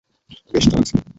বেশ চালাক ছেলে।